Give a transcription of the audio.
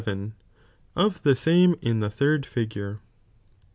—0/lhe same in the third Figure.